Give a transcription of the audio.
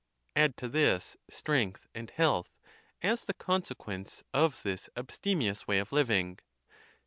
Add to this strength and health, as the consequence of this abstemious way of living.